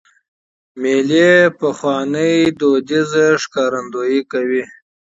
مېلې د عنعنوي فرهنګ ښکارندویي کوي.